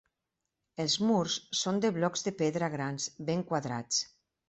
Els murs són de blocs de pedra grans, ben quadrats.